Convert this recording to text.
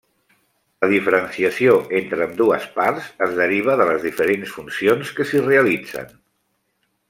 La diferenciació entre ambdues parts es deriva de les diferents funcions que s'hi realitzen.